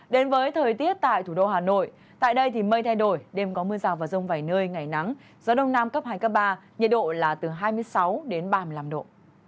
đến với thời tiết tại thủ đô hà nội tại đây thì mây thay đổi đêm có mưa rào và rông vài nơi ngày nắng gió đông nam cấp hai cấp ba nhiệt độ là từ hai mươi sáu đến ba mươi năm độ